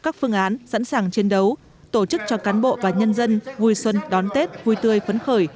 các phương án sẵn sàng chiến đấu tổ chức cho cán bộ và nhân dân vui xuân đón tết vui tươi phấn khởi